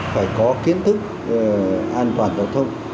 phải có kiến thức an toàn giao thông